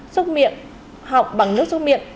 xúc miệng học bằng nước xúc miệng